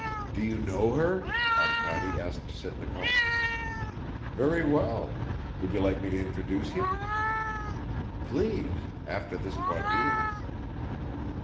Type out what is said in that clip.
"Do you know her?" Arkady asked Sitnikov. "Very well. Would you like me to introduce you?" "Please ... after this quadrille."